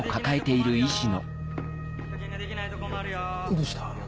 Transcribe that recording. どうした？